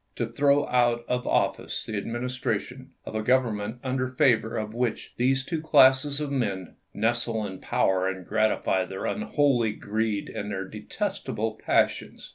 to throw out of office the administration of a Gov ernment under favor of which these two classes of men " nestle in power and gratify their unholy greed and their detestable passions."